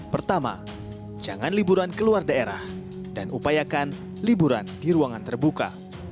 pertama jangan liburan keluar daerah dan upayakan liburan di ruangan terbuka